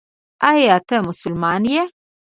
ایا ته مسلمان یې ؟